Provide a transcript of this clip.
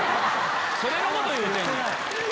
それのこと言うてんねん！